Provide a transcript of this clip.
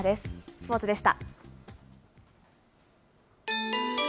スポーツでした。